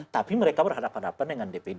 tapi mereka berhadapan hadapan dengan dpd